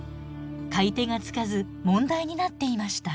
買い手がつかず問題になっていました。